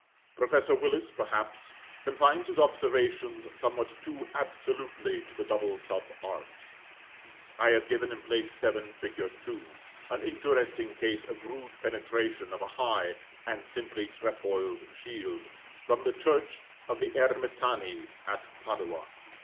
Professor Willis, perhaps, confines his observations somewhat too absolutely to the double sub arch. I have given, in Plate VII. fig. 2, an interesting case of rude penetration of a high and simply trefoiled shield, from the church of the Eremitani at Padua.